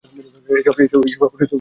এসব আবার কোন নতুন খেলা শোভা?